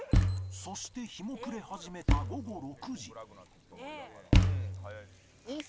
そして日も暮れ始めた午後６時